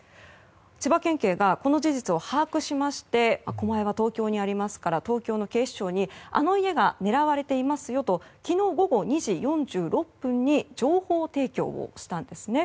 千葉県警がこの事実を把握しまして狛江は東京にありますから東京の警視庁にあの家が狙われていますよと昨日午後２時４６分に情報提供をしたんですね。